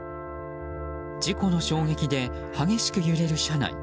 事故の衝撃で激しく揺れる車内。